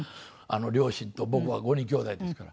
両親と僕は５人きょうだいですから。